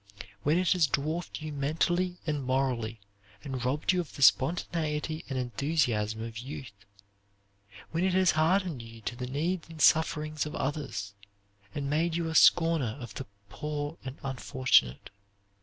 When it has dwarfed you mentally and morally, and robbed you of the spontaneity and enthusiasm of youth. When it has hardened you to the needs and sufferings of others, and made you a scorner of the poor and unfortunate.